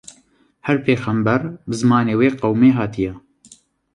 her pêyxember bi zimanê wê qewmê hatiye.